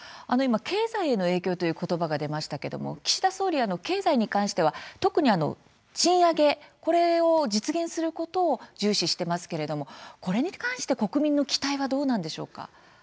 経済への影響ということばが出ましたけれども岸田総理、経済に関しては特に賃上げ、これを実現することを重視していますけれども国民の期待はどうなんでしょうか。